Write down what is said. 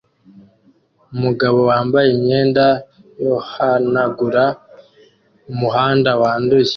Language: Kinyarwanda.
Umugabo wambaye imyenda yohanagura umuhanda wanduye